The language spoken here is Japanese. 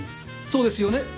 そうですよね。